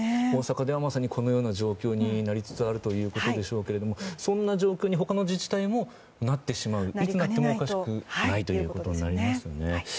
大阪では、まさにこのような状況になりつつあるということでしょうけれどもそんな状況に他の自治体もなってしまういつなっても、おかしくないということになりますよね。